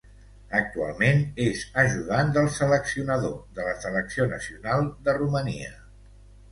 Actualment és ajudant del seleccionador de la selecció nacional de Romania.